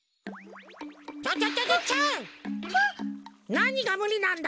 なにがむりなんだ？